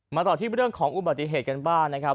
ต่อที่เรื่องของอุบัติเหตุกันบ้างนะครับ